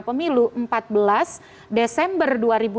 pemilu empat belas desember dua ribu dua puluh